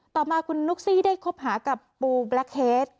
ต่อมาคุณนุ๊กซี่ได้คบหากับปูแบล็คเฮส